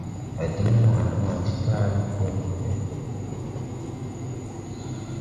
A diŋ wããre ma ti taale po wɔ kod kode.